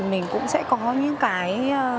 mình cũng sẽ có những cái